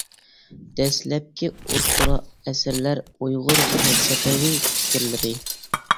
دەسلەپكى ئوتتۇرا ئەسىرلەر ئۇيغۇر پەلسەپىۋى پىكىرلىرى.